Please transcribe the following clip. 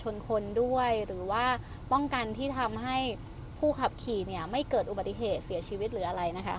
อีกที่มึงที่ทำให้ผู้ขับขี่ไม่เกิดอุบัติเหตุเสียชีวิตหรืออะไรนะคะ